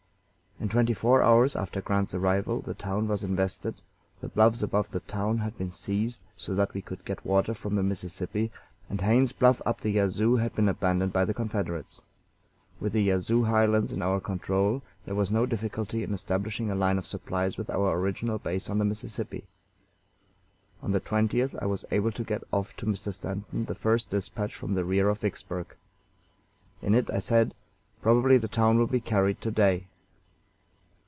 In twenty four hours after Grant's arrival the town was invested, the bluffs above the town had been seized so that we could get water from the Mississippi, and Haynes's Bluff up the Yazoo had been abandoned by the Confederates. With the Yazoo highlands in our control there was no difficulty in establishing a line of supplies with our original base on the Mississippi. On the 20th I was able to get off to Mr. Stanton the first dispatch from the rear of Vicksburg. In it I said, "Probably the town will be carried to day."